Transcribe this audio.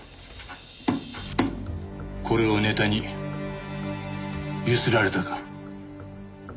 これをネタに強請られたか？